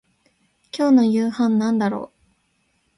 今日の夕飯なんだろう